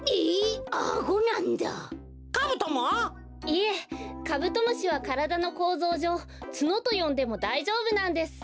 いえカブトムシはからだのこうぞうじょうツノとよんでもだいじょうぶなんです。